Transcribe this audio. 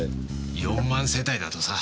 ４万世帯だとさ。